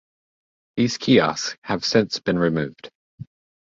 These kiosks have since been removed.